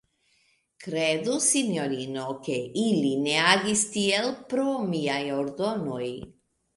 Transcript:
Kredu, sinjorino, ke ili ne agis tiel pro miaj ordonoj.